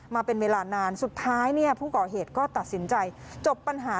มาเป็นเวลานานสุดท้ายเนี่ยผู้ก่อเหตุก็ตัดสินใจจบปัญหา